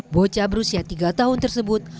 bocah berusia tiga tahun tersebut